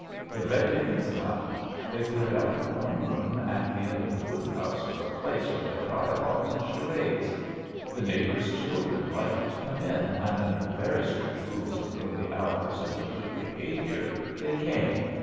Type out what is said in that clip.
They read Dickens aloud. They cleared out the corn room at the end of the wood house for a place for their dialogues and charades. The neighbors' children liked to come in, and, under very strict rules of early hours and of good behavior, they came.